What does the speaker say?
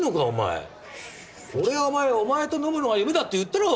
俺はお前お前と飲むのが夢だって言ったろ！